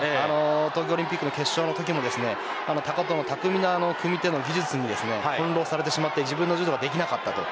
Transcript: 東京オリンピック決勝のときも高藤の巧みな組み手の技術にほんろうされてしまって自分の柔道ができなかったと。